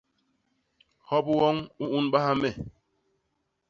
Hop woñ u ñunbaha me.